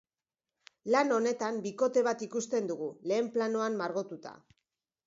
Lan honetan bikote bat ikusten dugu, lehen planoan margotuta.